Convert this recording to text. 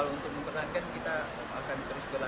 runggu di putri karena alhamdulillah